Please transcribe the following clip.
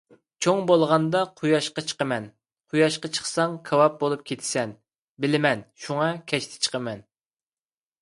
_ چوڭ بولغاندا، قۇياشقا چىقىمەن. _ قۇياشقا چىقساڭ، كاۋاپ بولۇپ كېتىسەن. _ بىلىمەن، شۇڭا كەچتە چىقىمەن.